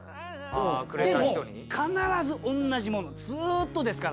でも必ず同じものをずっとですから。